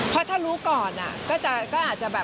เพราะถ้ารู้ก่อนก็อาจจะแบบ